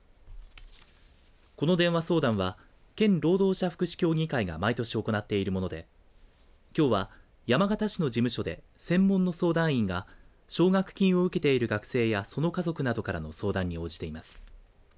この電話相談は県労働者福祉協議会が毎年行っているものできょうは山形市の事務所で専門の相談員が奨学金を受けている学生やその家族などからの相談に応じています。